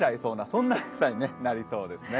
そんな暑さ朝になりそうですね。